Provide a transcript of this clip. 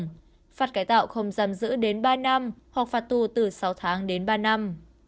hình phạt cải tạo không giam giữ đến ba năm hoặc phạt tù từ sáu tháng đến ba năm